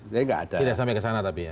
tidak tidak sampe kesana tapi ya